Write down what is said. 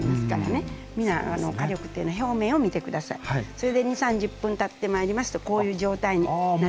それで２０３０分たってまいりますとこういう状態になってきますね。